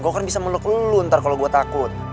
gua kan bisa meluk lu ntar kalo gua takut